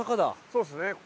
そうですね。